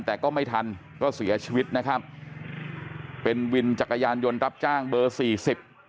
แต่ก็ไม่ทันก็เสียชีวิตนะครับเป็นวินจักรยานยนต์รับจ้างเบอร์สี่สิบ